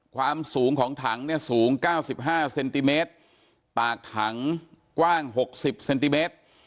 ความสูงของถังเนี่ยสูงเก้าสิบห้าเซนติเมตรปากถังกว้างหกสิบเซนติเมตร